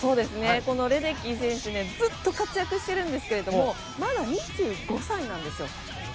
このレデッキー選手ずっと活躍してるんですけどもまだ２５歳なんですよ。